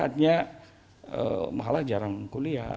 hanya mahala jarang kuliah